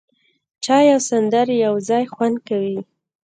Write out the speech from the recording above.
چای او سندرې یو ځای خوند کوي.